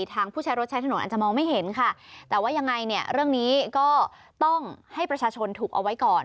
ผู้ใช้รถใช้ถนนอาจจะมองไม่เห็นค่ะแต่ว่ายังไงเนี่ยเรื่องนี้ก็ต้องให้ประชาชนถูกเอาไว้ก่อน